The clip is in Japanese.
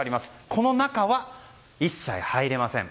この中は一切入れません。